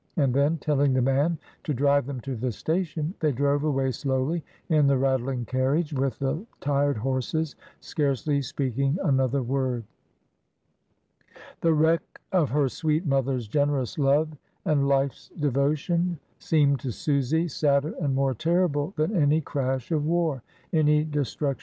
And then, telling the man to drive them to the station, they drove away slowly in the rattling carriage, with the tired horses, scarcely speaking another word. The wreck of her sweet mother's generous love and life's devotion seemed to Susy sadder and more terrible than any crash of war, any destruc 208 MRS. DYMOND.